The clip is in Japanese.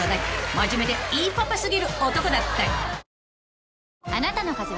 真面目でいいパパ過ぎる男だった］